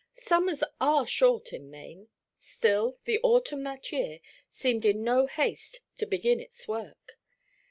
Summers are short in Maine; still the autumn that year seemed in no haste to begin its work.